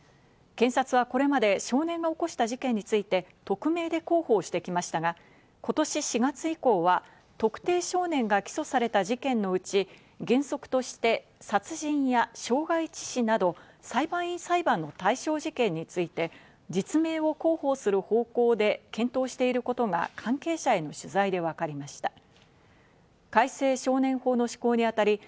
検察はこれまで、少年が起こした事件については匿名で広報してきましたが、今年４月以降は特定少年が起訴された事件のうち、原則として殺人や傷害致死など裁判員裁判の対象事件について、実名を広報する方向で検討していることが関係者への取材でわかりました。